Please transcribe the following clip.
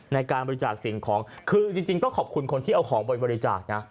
ในการบริจาคสิ่งของคือจริงต้องขอบคุณคนที่เอาของไปบริจาคนะ